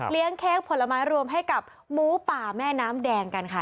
เค้กผลไม้รวมให้กับหมูป่าแม่น้ำแดงกันค่ะ